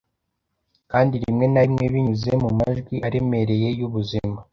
Kandi rimwe na rimwe binyuze mu majwi aremereye y'ubuzima